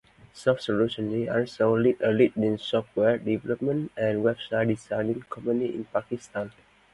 SoftSolution is also a leading Software development and Website Designing Company in Pakistan.